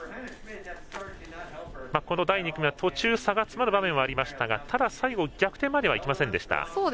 第２組は途中、差が詰まる場面がありましたがただ、最後逆転まではいきませんでした。